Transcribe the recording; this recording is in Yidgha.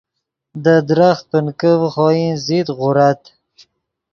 دے درخت پنکے ڤے خوئن زت غورت